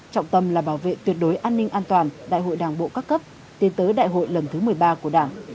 trọng tâm là bảo vệ tuyệt đối an ninh an toàn đại hội đảng bộ các cấp tiến tới đại hội lần thứ một mươi ba của đảng